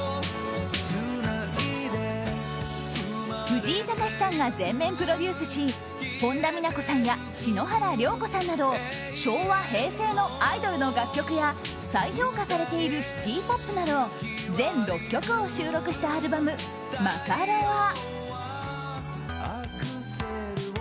藤井隆さんが全面プロデュースし本田美奈子．さんや篠原涼子さんなど昭和、平成のアイドルの楽曲や再評価されているシティーポップなど全６曲を収録したアルバム「マカロワ」。